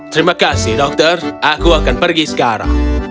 terima kasih dokter aku akan pergi sekarang